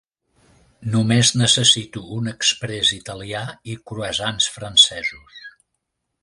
Només necessito un exprés italià i croissants francesos.